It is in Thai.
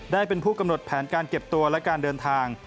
ได้เป็นผู้กำหนดแผนการเก็บตัวและการเดินทาง